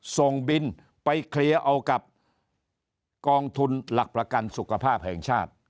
ส่งบินไปเคลียร์เอากับกองทุนหลักประกันสุขภาพแห่งชาติ